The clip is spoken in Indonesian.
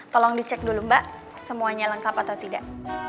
tolong dicek dulu mbak semuanya lengkap atau tidak